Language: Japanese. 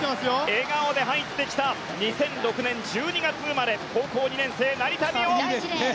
笑顔で入ってきた２００６年１２月生まれ高校２年生、成田実生。